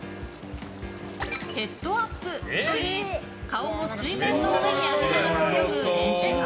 ヘッドアップといい顔を水面の上に上げながら泳ぐ練習法。